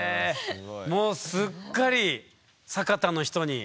もうすっかり酒田の人に。